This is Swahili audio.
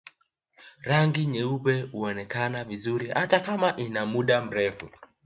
Rangi nyeupe huonekana vizuri hata kama ina muda mrefu